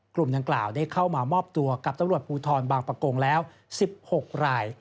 กลุ่มดังกล่าวได้เข้ามามอบตัวกับตำรวจภูทรบางประกงแล้ว๑๖ราย